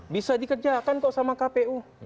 bisa dikerjakan kok sama kpu